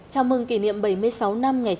chào mừng kỷ niệm bảy mươi sáu năm